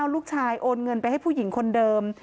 ลูกชายโอนเงินไปให้ผู้หญิงคนเดิม